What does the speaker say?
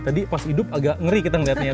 tadi pas hidup agak ngeri kita ngeliatnya ya